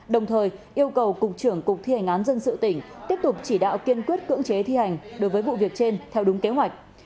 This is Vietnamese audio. đồng thời yêu cầu cục trưởng cục thi hành án dân sự tỉnh tiếp tục chỉ đạo kiên quyết cưỡng chế thi hành đối với vụ việc trên theo đúng kế hoạch